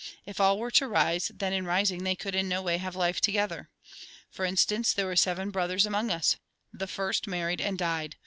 If all were to rise, then in rising they could in no way have life together. For instance, there were seven brothers among ns. The first married and died.